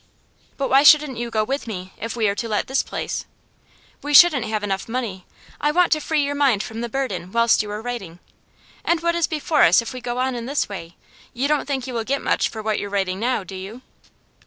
'But why shouldn't you go with me, if we are to let this place?' 'We shouldn't have enough money. I want to free your mind from the burden whilst you are writing. And what is before us if we go on in this way? You don't think you will get much for what you're writing now, do you?